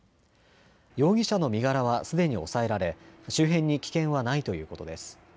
容疑者の身柄はすでに押さえられ周辺に危険はないということです。